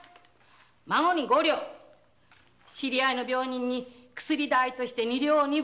孫に五両知り合いの病人に薬代として二両。